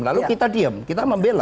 lalu kita diem kita membela